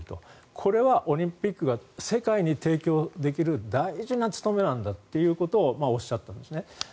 これはオリンピックが世界に提供できる大事な務めなんだということをおっしゃったんですね。